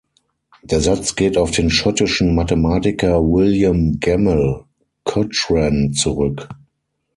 Der Satz geht auf den schottischen Mathematiker William Gemmell Cochran zurück.